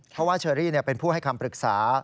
เพราะว่าเชอรี่เป็นผู้ให้คำปรึกษา